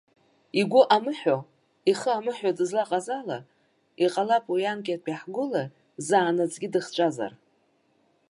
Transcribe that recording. Игәы амыҳәо, ихы амыҳәо дызлаҟаз ала, иҟалап уи анкьатәи ҳгәыла заанаҵгьы дыхҵәазар.